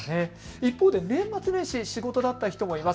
一方で年末年始、仕事だった人もいます。